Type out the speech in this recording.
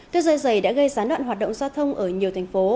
thứ dây dày đã gây gián đoạn hoạt động giao thông ở nhiều thành phố